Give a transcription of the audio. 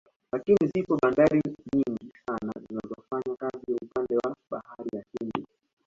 Lakini zipo bandari nyingi sana zinazofanya kazi upande wa bahari ya Hindi